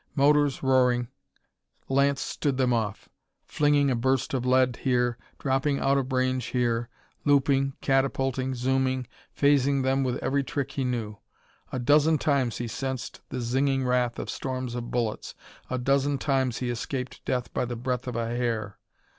Motors roaring, Lance stood them off flinging a burst of lead here, dropping out of range here, looping, catapulting, zooming fazing them with every trick he knew. A dozen times he sensed the zinging wrath of storms of bullets, a dozen times he escaped death by the breadth of a hair.